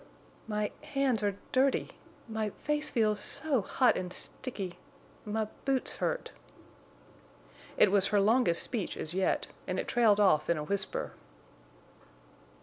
"My hands—are dirty; my face feels—so hot and sticky; my boots hurt." It was her longest speech as yet, and it trailed off in a whisper.